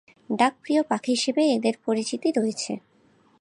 ডাকপ্রিয় পাখি হিসেবে এদের পরিচিতি রয়েছে।